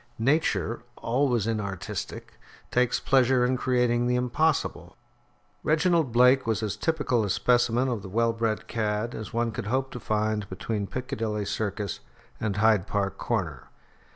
Nature, always inartistic, takes pleasure in creating the impossible. Reginald Blake was as typical a specimen of the well bred cad as one could hope to find between Piccadilly Circus and Hyde Park Corner.